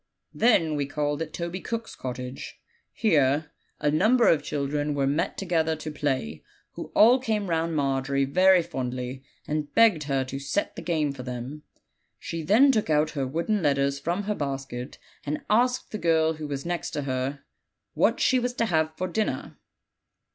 "We then called at Toby Cook's cottage. Here a number of children were met together to play, who all came round Margery very fondly, and begged her to 'set the game' for them. She then took out her wooden let ters from her basket, and asked the girl who was next to her what she was to have for dinner.